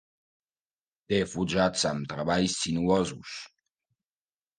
Té forjats amb treballs sinuosos.